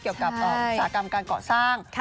เกี่ยวกับสถากรรมการก่อสร้าง